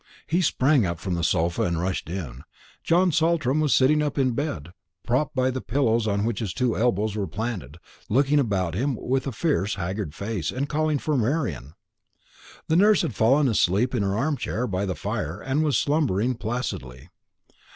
He sprang up from the sofa, and rushed in. John Saltram was sitting up in bed, propped by the pillows on which his two elbows were planted, looking about him with a fierce haggard face, and calling for "Marian." The nurse had fallen asleep in her arm chair by the fire, and was slumbering placidly.